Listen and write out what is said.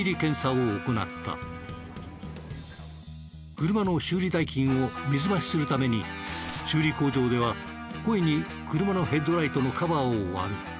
車の修理代金を水増しするために修理工場では故意に車のヘッドライトのカバーを割る。